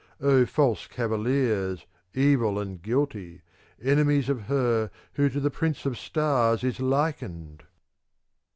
O false cavaliers, evil and guilty, enemies of her who to the pnnce of stars is likened